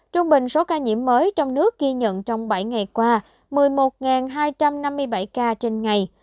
trung bình số ca nhiễm mới trong nước ghi nhận trong bảy ngày qua một mươi một hai trăm năm mươi bảy ca trên ngày